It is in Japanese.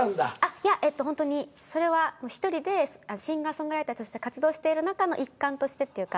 いやほんとにそれは１人でシンガーソングライターとして活動している中の一環としてっていうか。